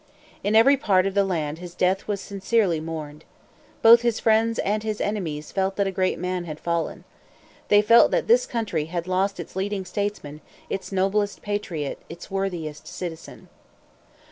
In every part of the land his death was sincerely mourned. Both friends and enemies felt that a great man had fallen. They felt that this country had lost its leading statesman, its noblest patriot, its worthiest citizen.